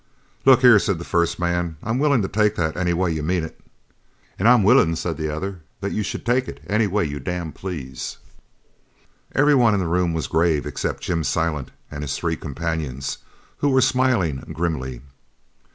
"Look here!" said the first man, "I'm willin' to take that any way you mean it!" "An' I'm willin'," said the other, "that you should take it any way you damn please." Everyone in the room was grave except Jim Silent and his three companions, who were smiling grimly.